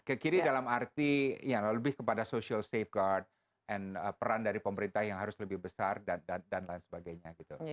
ke kiri dalam arti ya lebih kepada social safeguard and peran dari pemerintah yang harus lebih besar dan lain sebagainya gitu